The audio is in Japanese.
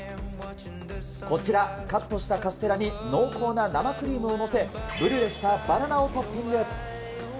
こちら、カットしたカステラに濃厚な生クリームを載せ、ブリュレしたバナナをトッピング。